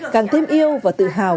càng thêm yêu và tự hào